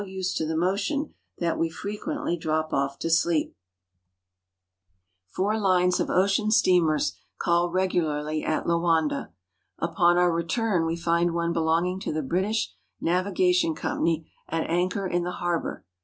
used to the motion that we frequently drop off tc leep. J \\ ^^2 AFRICA Four lines of ocean steamers call regularly at Loanda. Upon our return, we find one belonging to the British A Navigation Company at anchor in the harbor.